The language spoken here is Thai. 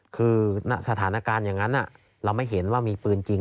คือสถานการณ์อย่างนั้นเราไม่เห็นว่ามีปืนจริง